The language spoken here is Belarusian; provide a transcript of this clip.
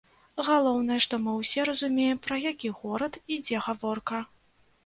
Галоўнае, што мы ўсе разумеем, пра які горад ідзе гаворка.